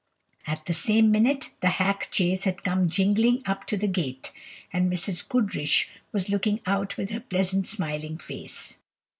At the same minute the hack chaise had come jingling up to the gate, and Mrs. Goodriche was looking out with her pleasant smiling face.